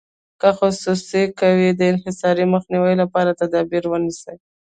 که خصوصي کوي د انحصار مخنیوي لپاره تدابیر ونیسي.